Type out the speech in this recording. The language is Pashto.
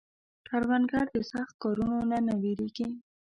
کروندګر د سخت کارونو نه نه وېرېږي